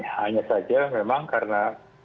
hanya saja memang karena